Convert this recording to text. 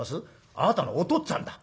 あなたのおとっつぁんだ。え？